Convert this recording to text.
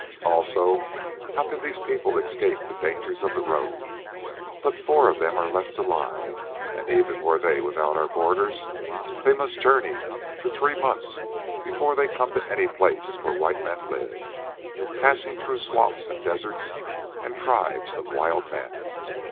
Also, how can these people escape the dangers of the road? But four of them are left alive, and even were they without our borders, they must journey for three months before they come to any place where white men live, passing through swamps and deserts and tribes of wild men.